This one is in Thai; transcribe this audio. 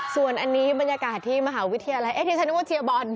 ส่วนอันนี้บรรยากาศที่มหาวิทยาลัยที่ฉันนึกว่าเชียร์บอล